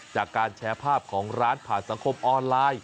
จากการแชร์ภาพของร้านผ่านสังคมออนไลน์